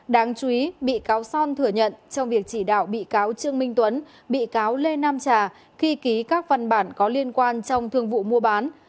đáng chú ý bị cáo son thừa nhận trong việc chỉ đạo bị cáo trương minh tuấn bị cáo lê nam trà khi ký các văn bản có liên quan trong thương vụ mua bán